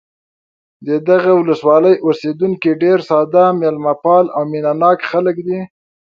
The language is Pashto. د دغه ولسوالۍ اوسېدونکي ډېر ساده، مېلمه پال او مینه ناک خلک دي.